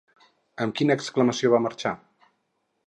Amb quina exclamació va marxar?